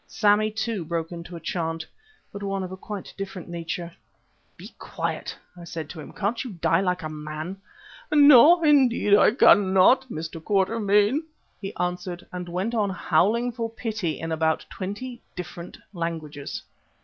Sammy, too, broke into a chant, but one of quite a different nature. "Be quiet!" I said to him. "Can't you die like a man?" "No, indeed I cannot, Mr. Quatermain," he answered, and went on howling for pity in about twenty different languages.